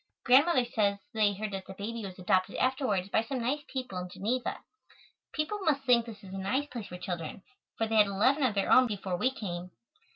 Grandmother says they heard that the baby was adopted afterwards by some nice people in Geneva. People must think this is a nice place for children, for they had eleven of their own before we came.